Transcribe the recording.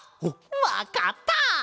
わかった！